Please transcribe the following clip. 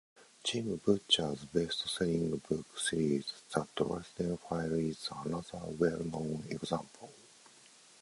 Jim Butcher's best-selling book series The Dresden Files is another well-known example.